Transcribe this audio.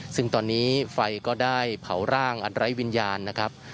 ซึ่งตอนนี้ไฟก็ได้เผาร่างอันไร้วิญญาณนะครับ